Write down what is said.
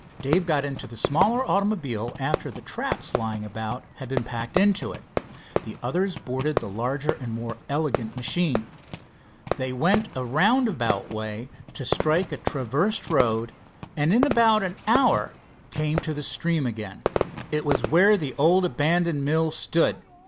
Dave got into the smaller automobile after the traps lying about had been packed into it. The others boarded the larger and more elegant machine. They went a roundabout way to strike a traversed road, and in about an hour came to the stream again. It was where an old abandoned mill stood.